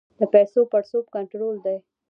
د پیسو پړسوب کنټرول دی؟